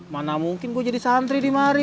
mana mungkin gue jadi santri di mari